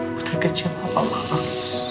putri kecil mama maaf